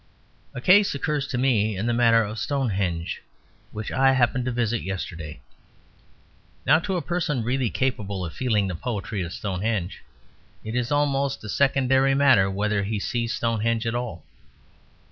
A case occurs to me in the matter of Stonehenge, which I happened to visit yesterday. Now to a person really capable of feeling the poetry of Stonehenge it is almost a secondary matter whether he sees Stonehenge at all.